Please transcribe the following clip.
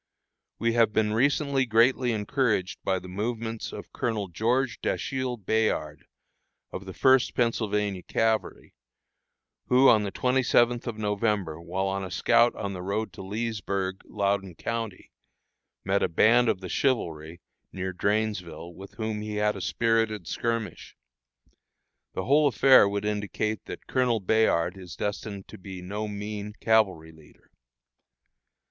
We have recently been greatly encouraged by the movements of Colonel George Dashiel Bayard, of the First Pennsylvania Cavalry, who, on the 27th of November, while on a scout on the road to Leesburg, Loudon county, met a band of the Chivalry near Drainesville, with whom he had a spirited skirmish. The whole affair would indicate that Colonel Bayard is destined to be no mean cavalry leader.